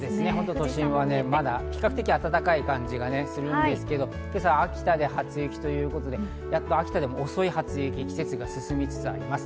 都心はまだ比較的暖かい感じがするんですけど、今朝、秋田で初雪ということで、遅い初雪、季節が進みつつあります。